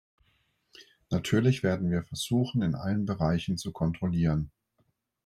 Natürlich werden wir versuchen, in allen Bereichen zu kontrollieren.